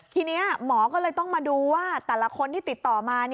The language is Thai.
ทีนี้หมอก็เลยต้องมาดูว่าแต่ละคนที่ติดต่อมา